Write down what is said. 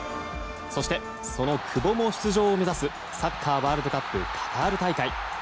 そして、その久保も出場を目指すサッカーワールドカップカタール大会。